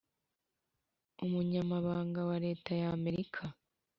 umunyamabanga wa leta y'amerika,